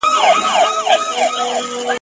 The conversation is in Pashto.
هره ورځ یې په لېدلو لکه ګل تازه کېدمه ..